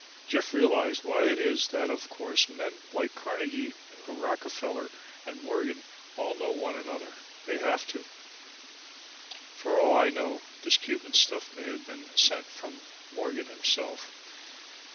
Jeff realized why it is that of course men like Carnegie or Rockefeller and Morgan all know one another. They have to. For all I know, this Cuban stuff may have been sent from Morgan himself.